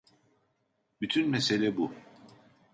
Bütün mesele bu.